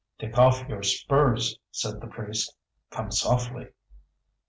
"Take off your spurs," said the priest, "come softly."